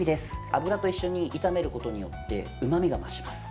油と一緒に炒めることによってうまみが増します。